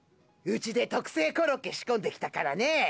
うちで特製コロッケ仕込んできたからね。